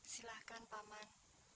silahkan pak man